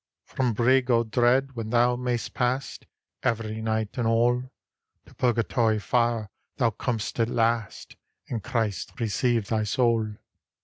From Brig o' Dread when thou may'st pass, — Every nighte and alle. To Purgatory Fire thou com'st at last; And Christe receive thy laule.